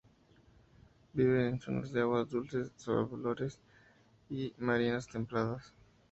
Vive en zonas de aguas dulces, salobres y marinas templadas.